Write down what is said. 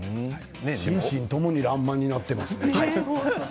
心身ともに「らんまん」になっていますね。